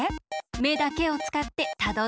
めだけをつかってたどってね。